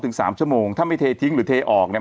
สามชั่วโมงถ้าไม่เททิ้งหรือเทออกเนี่ย